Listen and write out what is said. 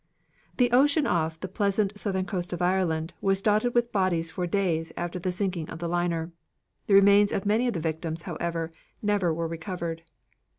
The ocean off the pleasant southern coast of Ireland was dotted with bodies for days after the sinking of the liner. The remains of many of the victims, however, never were recovered.